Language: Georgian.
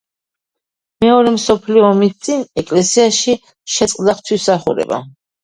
მეორე მსოფლიო ომის წინ ეკლესიაში შეწყდა ღვთისმსახურება.